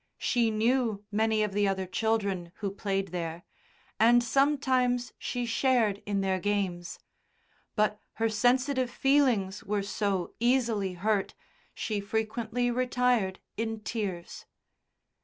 She knew many of the other children who played there, and sometimes she shared in their games; but her sensitive feelings were so easily hurt, she frequently retired in tears.